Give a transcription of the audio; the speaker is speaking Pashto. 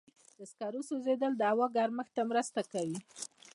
د سکرو سوځېدل د هوا ګرمښت ته مرسته کوي.